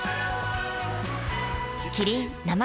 キリン「生茶」